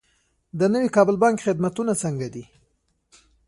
د نوي کابل بانک خدمتونه څنګه دي؟